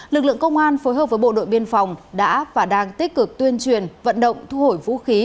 lực lượng công an phối hợp với bộ đội biên phòng đã và đang tích cực tuyên truyền vận động thu hổi vũ khí